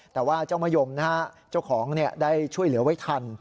แต่ว่าเจ้ามะยมนะฮะเจ้าของได้ช่วยเหลือไว้ทัน